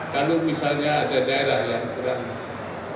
kalau misalnya ada daerah yang kurang